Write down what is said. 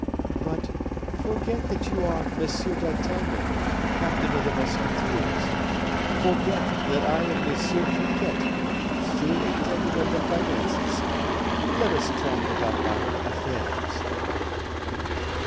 "But, forget that you are Monsieur d'Artagnan, captain of the musketeers; forget that I am Monsieur Fouquet, surintendant of the finances; and let us talk about my affairs."